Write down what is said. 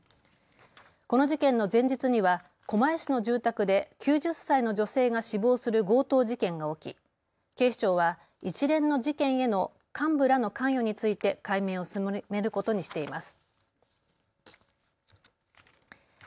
この事件の前日には狛江市の住宅で９０歳の女性が死亡する強盗事件が起き警視庁は一連の事件への幹部らの関与について解明を進めることにしています。